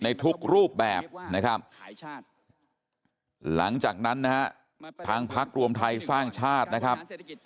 ในทุกรูปแบบนะครับหลังจากนั้นนะฮะทางพักรวมไทยสร้างชาตินะครับ